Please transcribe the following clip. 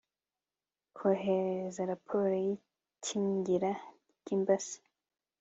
kohereza raporo y'ikingira ry'imbasa